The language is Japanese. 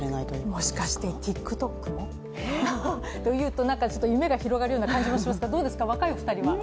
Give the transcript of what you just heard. もしかして、ＴｉｋＴｏｋもというと夢が広がるような感じがしますが、どうですか、若い２人は？